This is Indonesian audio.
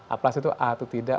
aplas itu a atau tidak